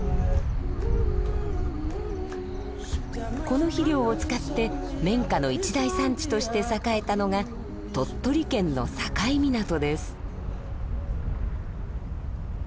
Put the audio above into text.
この肥料を使って綿花の一大産地として栄えたのが鳥取県の境港です。